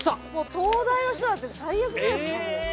東大の人だって最悪じゃないですかもう。え！